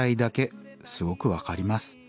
すごく分かります。